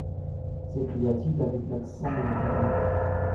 s’écria-t-il avec l’accent de la terreur.